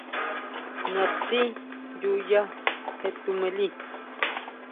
Naʼtsi ʼyu ya je tuʼmili.